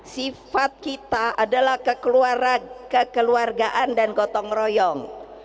sifat kita adalah kekeluargaan dan gotong royong